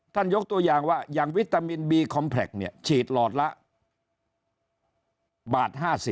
ยกตัวอย่างว่าอย่างวิตามินบีคอมแพล็กเนี่ยฉีดหลอดละบาท๕๐